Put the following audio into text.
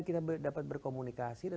kita dapat berkomunikasi dan